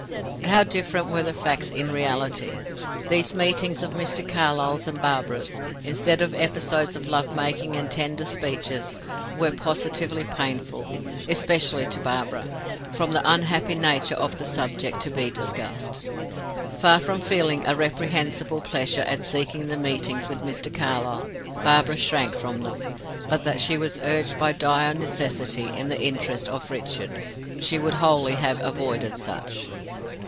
How different were the facts in reality. These meetings of Mr. Carlyle's and Barbara's, instead of episodes of love making and tender speeches, were positively painful, especially to Barbara, from the unhappy nature of the subject to be discussed. Far from feeling a reprehensible pleasure at seeking the meetings with Mr. Carlyle, Barbara shrank from them; but that she was urged by dire necessity, in the interests of Richard, she would wholly have avoided such.